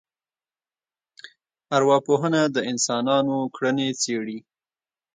ارواپوهنه د انسانانو کړنې څېړي